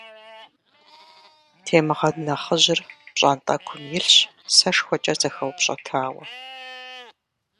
Темгъэн нэхъыжьыр пщӏантӏэкум илъщ, сэшхуэкӏэ зэхэупщӏэтауэ.